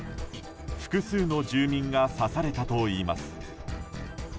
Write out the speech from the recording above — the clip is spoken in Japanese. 複数の住民が刺されたといいます。